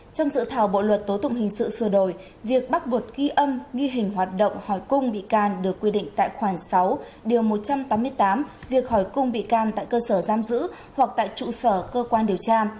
trong dự thảo bộ luật tố tụng hình sự sửa đổi việc bắt buộc ghi âm ghi hình hoạt động hỏi cung bị can được quy định tại khoảng sáu điều một trăm tám mươi tám việc hỏi cung bị can tại cơ sở giam giữ hoặc tại trụ sở cơ quan điều tra